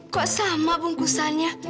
kok sama bungkusannya